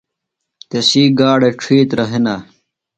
تسی گاڈہ ڇِھیترہ ہِنہ۔